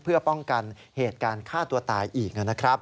เพื่อป้องกันเหตุการณ์ฆ่าตัวตายอีกนะครับ